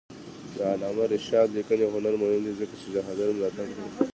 د علامه رشاد لیکنی هنر مهم دی ځکه چې جهاد ملاتړ کوي.